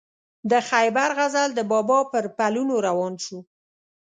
د خیبر غزل د بابا پر پلونو روان شو.